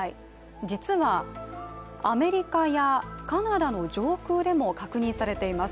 実はアメリカやカナダの上空でも確認されています。